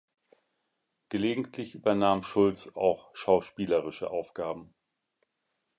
Gelegentlich übernahm Schultz auch schauspielerische Aufgaben.